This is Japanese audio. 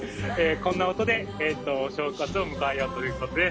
こんな音で正月を迎えようということです。